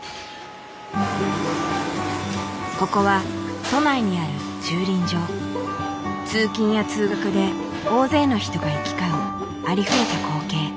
ここは通勤や通学で大勢の人が行き交うありふれた光景。